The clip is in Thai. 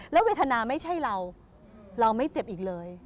แล้วเวทนาไม่ใช่เราเราไม่เจ็บอีกเลย